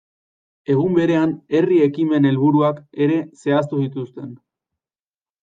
Egun berean, herri ekimen helburuak ere zehaztu zituzten.